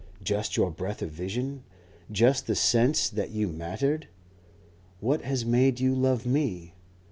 Just your breadth of vision, just the sense that you mattered. What has made you love me?